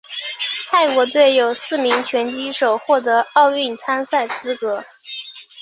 泰国队有四名拳击手获得奥运参赛资格。